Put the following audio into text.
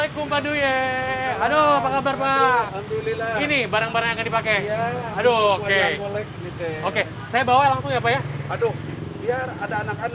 kita bareng bareng membuat